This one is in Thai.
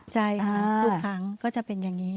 ใช่ครับทุกครั้งก็จะเป็นอย่างนี้